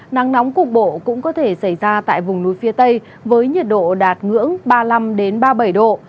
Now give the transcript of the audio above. nắng nóng cục bộ cũng có thể xảy ra tại vùng núi phía tây với nhiệt độ đạt ngưỡng ba mươi năm ba mươi bảy độ